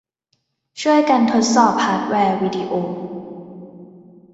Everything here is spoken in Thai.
ช่วยกันทดสอบฮาร์ดแวร์วีดิโอ